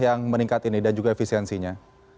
yang meningkat ini dan juga efisiensinya